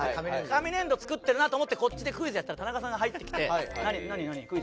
紙粘土作ってるなと思ってこっちでクイズやってたら田中さんが入ってきて。